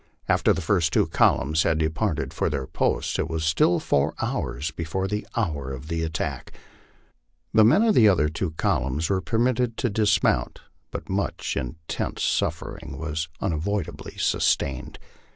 After the first two columns had departed for their posts it was still four hours before the hour of attack the men of the other two columns were permitted to dismount, but much intense suffering was unavoidably sustained.